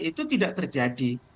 itu tidak terjadi